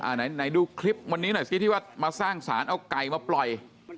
ไหนดูคลิปวันนี้หน่อยซิที่ว่ามาสร้างสารเอาไก่มาปล่อย